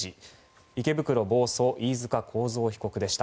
池袋暴走、飯塚幸三被告でした。